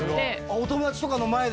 お友達とかの前で？